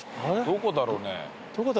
どこだろうね。